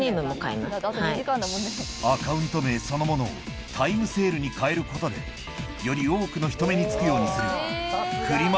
アカウント名そのものをタイムセールに変えることでより多くの人目につくようにするフリマ